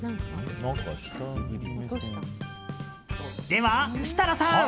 では、設楽さん。